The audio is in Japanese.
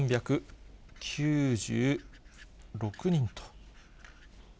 ５３９６人と。